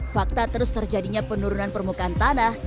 fakta terus terjadinya penurunan permukaan tanah